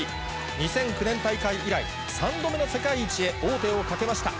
２００９年大会以来、３度目の世界一へ王手をかけました。